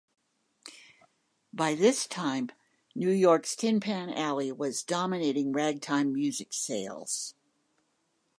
By this time New York's Tin Pan Alley was dominating ragtime music sales.